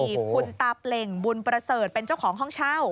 มีคุณตาเปล่งบุญประเสริฐเป็นเจ้าของห้องเช่า